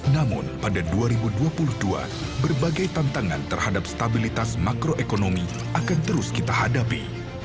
namun pada dua ribu dua puluh dua berbagai tantangan terhadap stabilitas makroekonomi akan terus kita hadapi